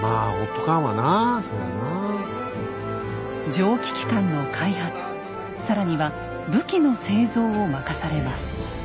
蒸気機関の開発更には武器の製造を任されます。